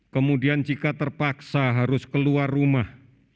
kemudian jika terpaksa harus keluar rumah